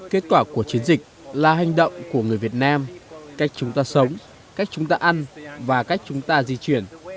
kết quả của chiến dịch là hành động của người việt nam cách chúng ta sống cách chúng ta ăn và cách chúng ta di chuyển